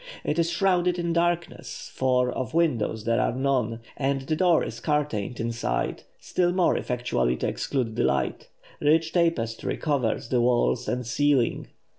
It is shrouded in darkness, for of windows there are none, and the door is curtained inside, still more effectually to exclude the light. Rich tapestry covers the walls and ceiling.